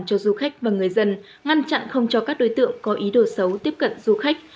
bảo vệ an toàn cho du khách và người dân ngăn chặn không cho các đối tượng có ý đồ xấu tiếp cận du khách